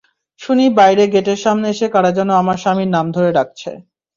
শুনি বাইরে গেটের সামনে এসে কারা যেন আমার স্বামীর নাম ধরে ডাকছে।